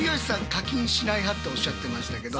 課金しない派っておっしゃってましたけど